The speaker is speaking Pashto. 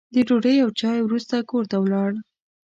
د ډوډۍ او چایو وروسته کور ته ولاړ.